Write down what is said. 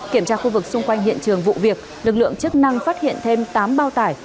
kiểm tra khu vực xung quanh hiện trường vụ việc lực lượng chức năng phát hiện thêm tám bao tải